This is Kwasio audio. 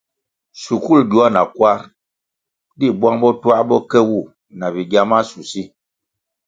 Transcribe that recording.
Shukul gyoa na kwar di bwang bo twā bo ke wu na bigya mashusi.